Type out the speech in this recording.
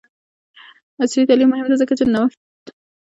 عصري تعلیم مهم دی ځکه چې د نوښتي شرکتونو لپاره زمینه برابروي.